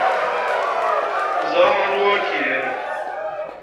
Yeẓra anwa ay k-ilan.